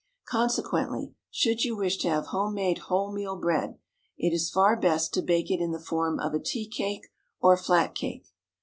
Consequently, should you wish to have home made whole meal bread, it is far best to bake it in the form of a tea cake or flat cake.